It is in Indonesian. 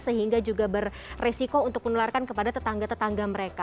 sehingga juga beresiko untuk menularkan kepada tetangga tetangga mereka